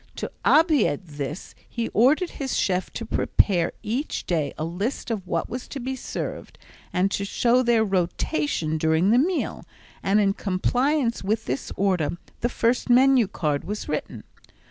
To obviate this he ordered his chef to prepare each day a list of what was to be served, and to show their rotation during the meal, and in compliance with this order the first menu card was written.